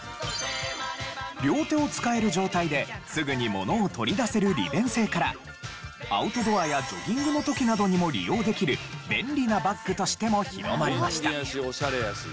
両手を使える状態ですぐにものを取り出せる利便性からアウトドアやジョギングの時などにも利用できる便利なバッグとしても広まりました。